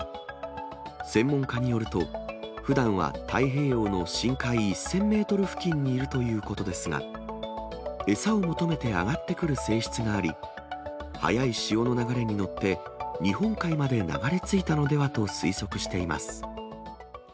専門家によると、ふだんは太平洋の深海１０００メートル付近にいるということですが、餌を求めて上がってくる性質があり、速い潮の流れに乗って、日本海まで流れ着いたのではと推測しています。